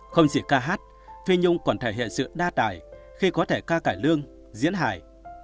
không chỉ ca hát phi nhung còn thể hiện sự đa tài khi có thể ca cải lương diễn hải